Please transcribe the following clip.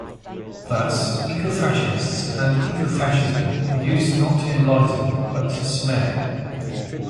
Thus, 'ecofascist' and 'ecofascism', are used not to enlighten but to smear.